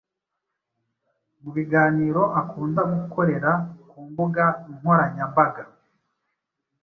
mu biganiro akunda gukorera ku mbuga nkoranyambaga